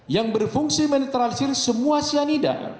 yang berfungsi menetralisir semua cyanida